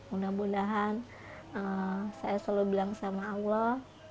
mudah mudahan saya selalu bilang sama allah